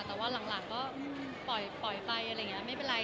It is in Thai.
แต่ว่าหลังก็ปล่อยไปอะไรอย่างนี้ไม่เป็นไร